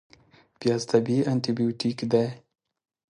پیاز طبیعي انتي بیوټیک دی